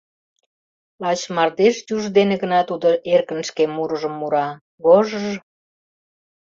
Лач мардеж юж дене гына тудо эркын шке мурыжым мура: гож-ж!